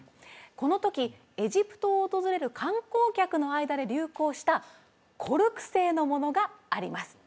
この時エジプトを訪れる観光客の間で流行したコルク製のものがあります